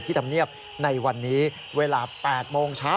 ธรรมเนียบในวันนี้เวลา๘โมงเช้า